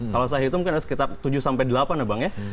kalau saya hitung kan ada sekitar tujuh sampai delapan ya bang ya